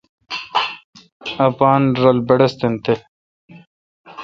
اپان رل بّڑّستن تھل۔